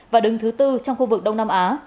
và đứng thứ tư trong khu vực đông nam á